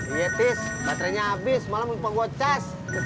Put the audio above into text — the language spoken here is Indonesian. iya tis baterainya abis malam lupa gue cas